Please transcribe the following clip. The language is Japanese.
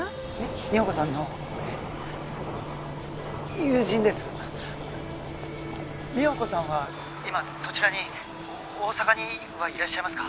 美穂子さんの友人です美穂子さんは今そちらに☎大阪にはいらっしゃいますか？